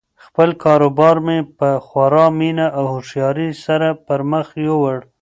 خپل کاروبار مې په خورا مینه او هوښیاري سره پرمخ یووړ.